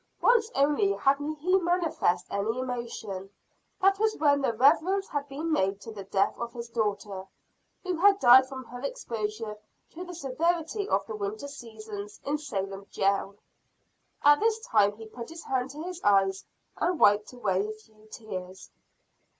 Once only had he manifested any emotion; that was when the reference had been made to the death of his daughter, who had died from her exposure to the severity of the winter season in Salem jail. At this time he put his hand to his eyes and wiped away a few tears.